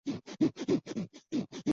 教育部及各县市长对此事加以否认。